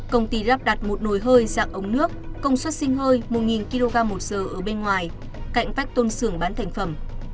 công ty lắp đặt một nồi hơi dạng ống nước công suất sinh hơi một nghìn kg một giờ ở bên ngoài cạnh vách tôn xưởng bán thành phẩm